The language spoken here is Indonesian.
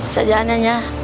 saja aneh ya